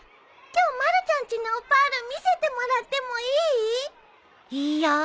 今日まるちゃんちのオパール見せてもらってもいい？いいよ。